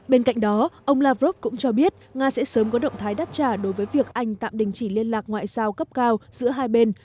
bên cạnh đó ông lavrov cũng cho biết nga sẽ sớm có động thái đáp trả đối với việc anh tạm đình chỉ liên lạc ngoại giao cấp cao giữa hai bên